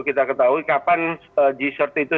kita ketahui kapan g sert itu